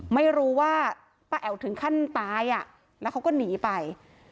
ไม่รู้ว่าป้าแอ๋วถึงขั้นตายอ่ะแล้วเขาก็หนีไป